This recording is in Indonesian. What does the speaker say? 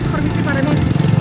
permisi pak raymond